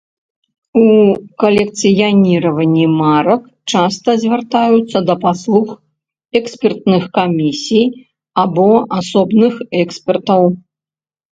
У калекцыяніраванні марак часта звяртаюцца да паслуг экспертных камісій або асобных экспертаў.